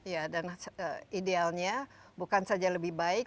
ya dan idealnya bukan saja lebih baik